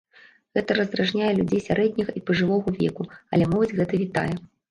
Гэта раздражняе людзей сярэдняга і пажылога веку, але моладзь гэта вітае.